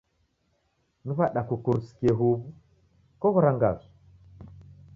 Ni w'ada kukurusikie huw'u? Koghora ngasu?